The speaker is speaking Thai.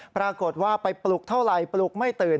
ปรากฏว่าไปปลุกเท่าไหร่ปลุกไม่ตื่น